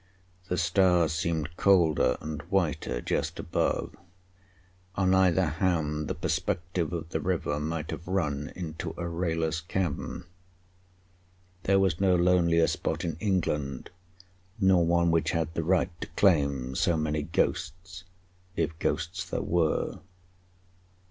The stars seemed colder and whiter just above. On either hand the perspective of the river might have run into a rayless cavern. There was no lonelier spot in England, nor one which had the right to claim so many ghosts, if ghosts there were.